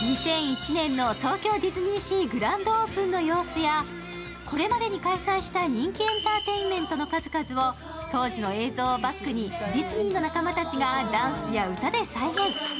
２００１年の東京ディズニーシーグランドオープンの様子やこれまでに開催した人気エンターテインメントの数々を当時の映像をバックにディズニーの仲間たちがダンスや歌で再現。